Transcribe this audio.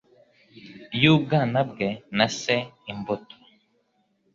y'ubwana bwe na se imbuto